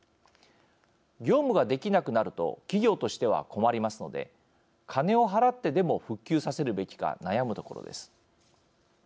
業務ができなくなると企業としては困りますので金を払ってでも復旧させるべきか悩むところです。